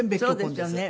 そうですよね。